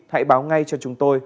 hãy báo ngay cho chúng tôi